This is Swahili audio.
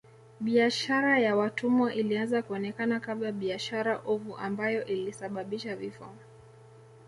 Biashara ya watumwa ilianza kuonekana kama biashara ovu ambayo ilisababisha vifo